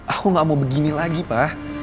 aku gak mau begini lagi pak